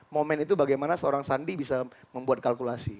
momen itu bagaimana seorang sandi bisa membuat kalkulasi